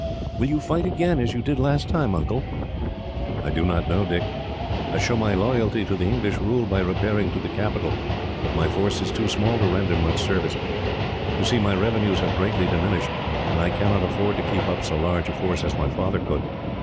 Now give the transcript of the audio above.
"Will you fight again, as you did last time, Uncle?" "I do not know, Dick. I show my loyalty to the English rule by repairing to the capital; but my force is too small to render much service. You see, my revenues have greatly diminished, and I cannot afford to keep up so large a force as my father could.